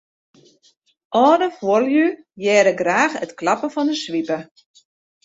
Alde fuorlju hearre graach it klappen fan 'e swipe.